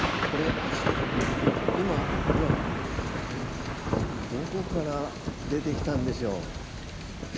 これ今ほらどこから出てきたんでしょう？